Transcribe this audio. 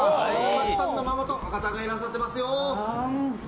たくさんのママと赤ちゃんがいらっしゃってますよ。